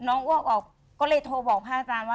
อ้วกออกก็เลยโทรบอกพระอาจารย์ว่า